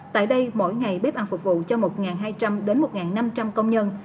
tại đây mỗi ngày bếp ăn phục vụ cho một hai trăm linh đến một năm trăm linh công nhân